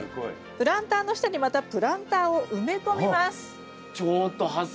プランターの下にまたプランターを埋め込みます。